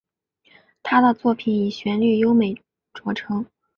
他的作品以旋律优美着称。